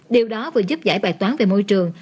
điều đó vừa giúp giải bài toán về môi trường